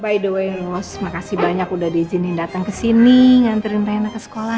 by the way mas makasih banyak udah diizinin datang ke sini nganterin rena ke sekolah